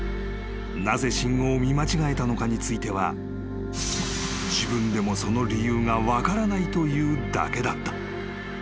［なぜ信号を見間違えたのかについては自分でもその理由が分からないというだけだった］